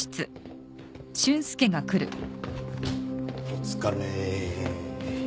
お疲れ。